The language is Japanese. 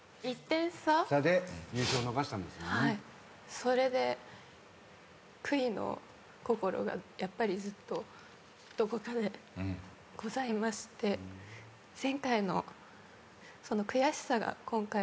それで悔いの心がやっぱりずっとどこかでございまして前回のその悔しさが今回はおばねになりました。